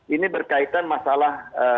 ini berkaitan masalah